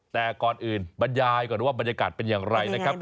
แต่ก่อนอื่นบรรยายก่อนว่าบรรยากาศเป็นอย่างไรนะครับ